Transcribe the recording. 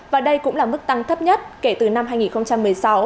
và đây cũng là mức tăng thấp nhất kể từ năm hai nghìn một mươi sáu